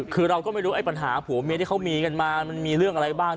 คือเราก็ไม่รู้ไอ้ปัญหาผัวเมียที่เขามีกันมามันมีเรื่องอะไรบ้าง